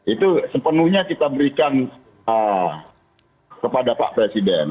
itu sepenuhnya kita berikan kepada pak presiden